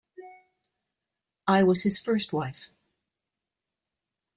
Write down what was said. I was his first wife.